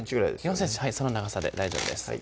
４ｃｍその長さで大丈夫です